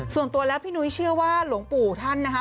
ส่วนตัวแล้วพี่นุ้ยเชื่อว่าหลวงปู่ท่านนะคะ